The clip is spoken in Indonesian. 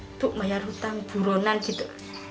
untuk bayar hutang buronan gitu